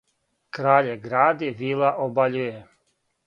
Краље гради, вила обаљује,